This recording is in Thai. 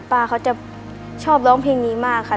ป้าเขาจะชอบร้องเพลงนี้มากค่ะ